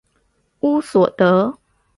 乌索德。